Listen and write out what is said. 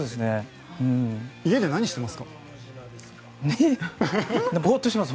家で何をしてますか？